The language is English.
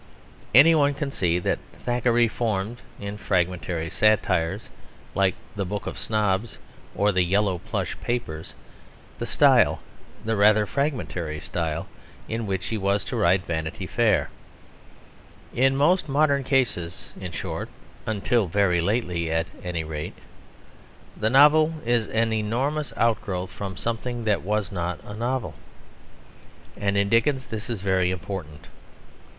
Any one can see that Thackeray formed in fragmentary satires like The Book of Snobs or The Yellowplush Papers the style, the rather fragmentary style, in which he was to write Vanity Fair. In most modern cases, in short (until very lately, at any rate), the novel is an enormous outgrowth from something that was not a novel. And in Dickens this is very important.